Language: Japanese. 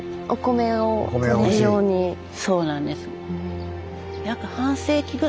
そうなんです。